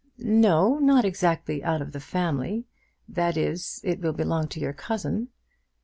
"No; not exactly out of the family. That is, it will belong to your cousin."